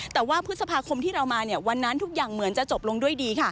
แต่ว่าพฤษภาคมที่เรามาวันนั้นทุกอย่างเหมือนจะจบลงด้วยดี